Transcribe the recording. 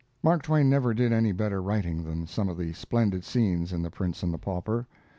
Mark Twain never did any better writing than some of the splendid scenes in 'The Prince and the Pauper'.